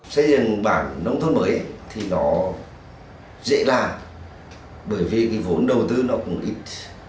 xây dựng bản nông thôn mới thì nó dễ làm bởi vì cái vốn đầu tư nó cũng ít